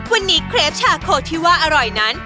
วันนี้เครปชาโคที่ว่าอร่อยนั้น